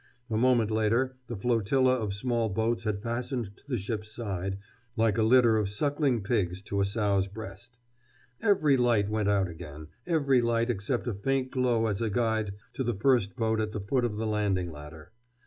A moment later the flotilla of small boats had fastened to the ship's side, like a litter of suckling pigs to a sow's breast. Every light went out again, every light except a faint glow as a guide to the first boat at the foot of the landing ladder.